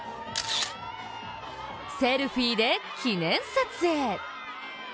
セルフィーで記念撮影。